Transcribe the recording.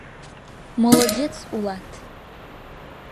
Молодец улат!